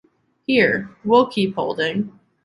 Here, we’ll keep holding.